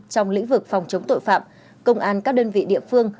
trong lĩnh vực phòng chống tội phạm công an các đơn vị địa phương